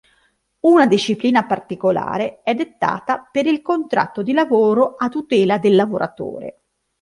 Una disciplina particolare è dettata per il contratto di lavoro a tutela del lavoratore.